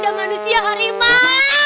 ada manusia harimau